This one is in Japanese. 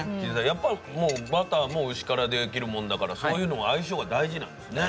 やっぱりバターも牛から出来るものだからそういう相性は大事なんですね。